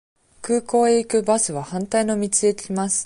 空港へ行くバスは反対の道へ来ます。